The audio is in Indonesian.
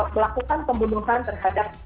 melakukan pembunuhan terhadap